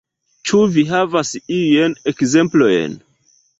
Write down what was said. Ĉu vi havas iujn ekzemplojn?